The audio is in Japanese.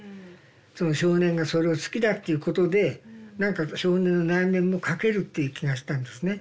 その少年がそれを好きだっていうことで何か少年の内面もかけるっていう気がしたんですね。